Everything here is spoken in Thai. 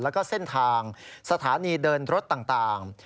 แล้วก็เส้นทางสถานีเดินรถต่าง